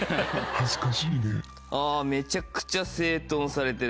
あぁめちゃくちゃ整頓されてる。